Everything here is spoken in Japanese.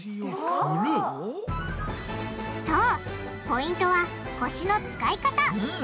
ポイントは腰の使い方！